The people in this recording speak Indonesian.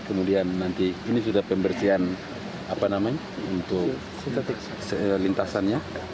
kemudian nanti ini sudah pembersihan apa namanya untuk lintasannya